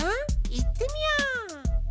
いってみよう！